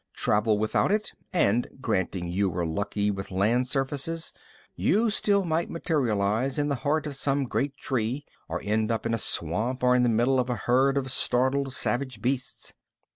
Travel without it and, granting you were lucky with land surfaces, you still might materialize in the heart of some great tree or end up in a swamp or the middle of a herd of startled, savage beasts.